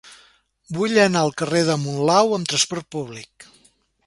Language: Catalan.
Vull anar al carrer de Monlau amb trasport públic.